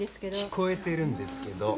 聞こえてるんですけど。